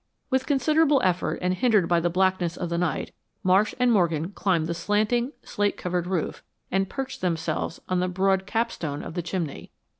With considerable effort, and hindered by the blackness of the night, Marsh and Morgan climbed the slanting, slate covered roof and perched themselves on the broad capstone of the chimney.